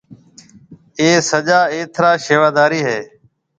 اَي سجا ايٿ را شيوادرِ هيَ۔